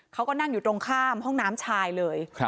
เขาก็นั่งอยู่ตรงข้ามห้องน้ำชายเลย